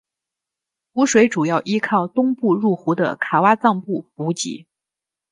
湖水主要依靠东部入湖的卡挖臧布补给。